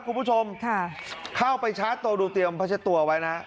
คุณผู้ชมค่ะเข้าไปชาร์จตัวดูเตรียมพัชตัวไว้นะ